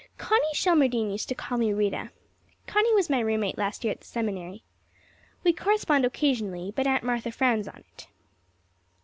Connie Shelmardine used to call me Rita. Connie was my roommate last year at the Seminary. We correspond occasionally, but Aunt Martha frowns on it.